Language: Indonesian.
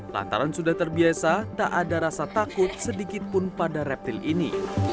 lantaran sudah terbiasa tak ada rasa takut sedikitpun pada reptil ini